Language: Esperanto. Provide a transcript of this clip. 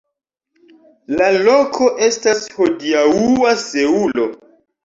La loko estas hodiaŭa Seulo.